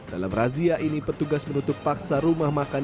dalam razia ini petugas menutup paksa rumah makan